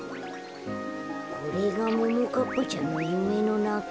これがももかっぱちゃんのゆめのなか？